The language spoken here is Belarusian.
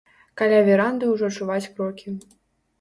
Каля веранды ўжо чуваць крокі.